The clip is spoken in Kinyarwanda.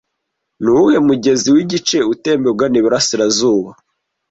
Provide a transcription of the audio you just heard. Nuwuhe mugezi wigice utemba ugana iburengerazuba